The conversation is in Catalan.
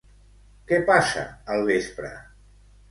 Què passa al vespre?